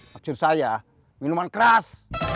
maksud saya minuman keras